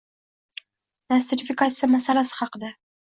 nostrifikatsiya masalasi haqida.